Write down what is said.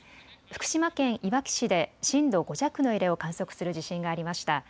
福島県いわき市で震度５弱の揺れを観測する地震がありました。